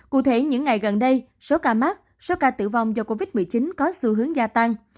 cụ thể những ngày gần đây số ca mắc số ca tử vong do covid một mươi chín có xu hướng gia tăng